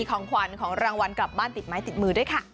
ของขวัญของรางวัลกลับบ้านติดไม้ติดมือด้วยค่ะ